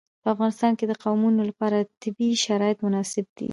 په افغانستان کې د قومونه لپاره طبیعي شرایط مناسب دي.